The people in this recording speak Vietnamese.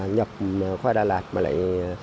nhập khoai đà lạt mà lại